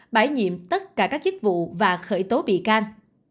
bãi nhiệm tất cả các chức vụ và khởi tố bị can